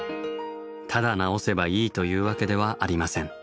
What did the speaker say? ただ直せばいいというわけではありません。